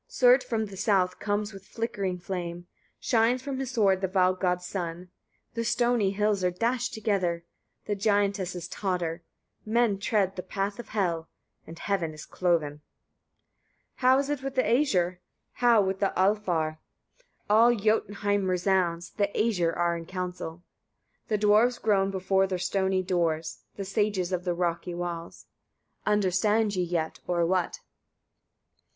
Surt from the south comes with flickering flame; shines from his sword the Val gods' sun. The stony hills are dashed together, the giantesses totter; men tread the path of Hel, and heaven is cloven. 52. How is it with the Æsir? How with the Alfar? All Jötunheim resounds; the Æsir are in council. The dwarfs groan before their stony doors, the sages of the rocky walls. Understand ye yet, or what?